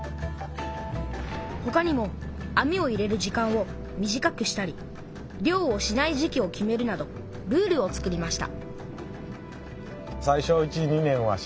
ほかにも網を入れる時間を短くしたり漁をしない時期を決めるなどルールを作りました